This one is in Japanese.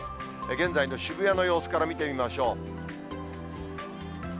現在の渋谷の様子から見てみましょう。